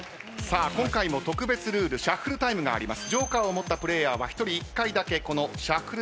今回も特別ルールシャッフルタイムがあります。